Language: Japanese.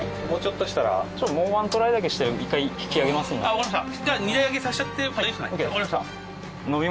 わかりました。